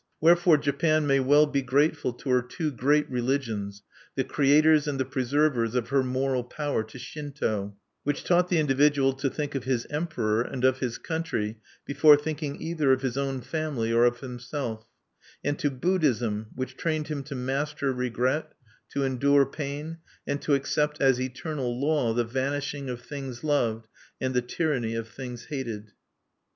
Wherefore Japan may well be grateful to her two great religions, the creators and the preservers of her moral power to Shinto, which taught the individual to think of his Emperor and of his country before thinking either of his own family or of himself; and to Buddhism, which trained him to master regret, to endure pain, and to accept as eternal law the vanishing of things loved and the tyranny of things hated.